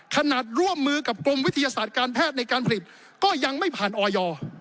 ร่วมมือกับกรมวิทยาศาสตร์การแพทย์ในการผลิตก็ยังไม่ผ่านออย